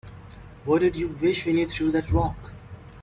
What'd you wish when you threw that rock?